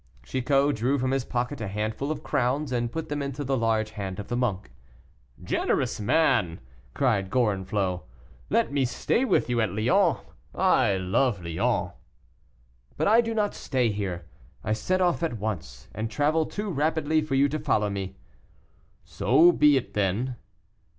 Chicot drew from his pocket a handful of crowns and put them into the large hand of the monk. "Generous man!" cried Gorenflot. "Let me stay with you at Lyons; I love Lyons." "But I do not stay here; I set off at once, and travel too rapidly for you to follow me." "So be it, then."